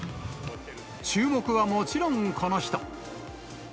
注目はもちろんこの人。